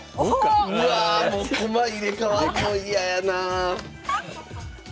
うわあもう駒入れ替わんの嫌やな！